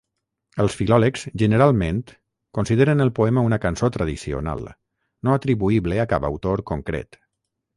Els filòlegs generalment consideren el poema una cançó tradicional, no atribuïble a cap autor concret.